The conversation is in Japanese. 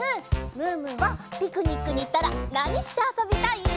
ムームーはピクニックにいったらなにしてあそびたい？